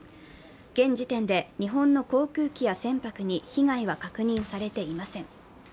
現時点で日本の航空機や船舶に被害は確認されていません。